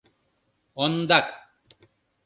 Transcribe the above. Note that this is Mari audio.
Ондак.